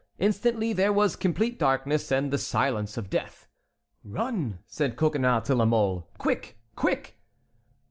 Instantly there was complete darkness and the silence of death. "Run," said Coconnas to La Mole; "quick! quick!"